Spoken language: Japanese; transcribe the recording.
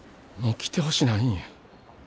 もう来てほしないんや。